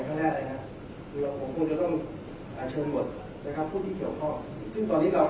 จากการนี้เราจะมองเมื่อเรื่องของสารเจ็ดจิต